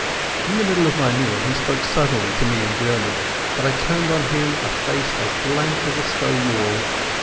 In the middle of my meal he spoke suddenly to me in German, but I turned on him a face as blank as a stone wall.